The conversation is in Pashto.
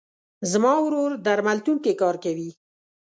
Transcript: زما ورور درملتون کې کار کوي.